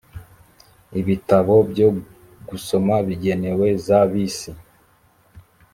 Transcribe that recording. ibitabo byo gusoma bigenewe za bisi